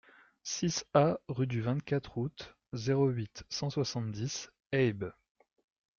six A rue du vingt-quatre Août, zéro huit, cent soixante-dix, Haybes